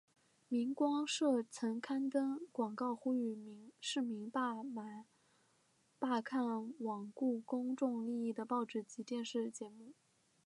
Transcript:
明光社曾刊登广告呼吁市民罢买罢看罔顾公众利益的报纸及电视节目。